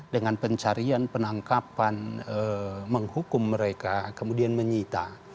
dengan pencarian penangkapan menghukum mereka kemudian menyita